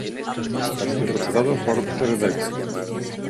Es interpretado por Peter Davison.